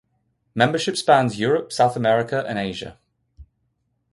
Membership spans Europe, South America, and Asia.